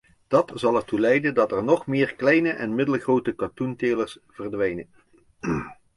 Dat zal ertoe leiden dat er nog meer kleine en middelgrote katoentelers verdwijnen.